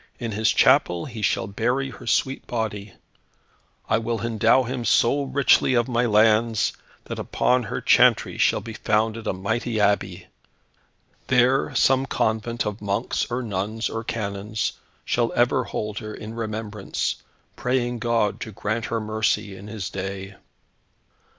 In his chapel he shall bury her sweet body. I will endow him so richly of my lands, that upon her chantry shall be founded a mighty abbey. There some convent of monks or nuns or canons shall ever hold her in remembrance, praying God to grant her mercy in His day."